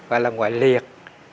gọi là ngõi liệt